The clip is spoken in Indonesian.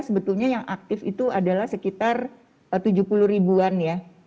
sebetulnya yang aktif itu adalah sekitar tujuh puluh ribuan ya